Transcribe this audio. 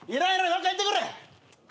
どっか行ってくれ。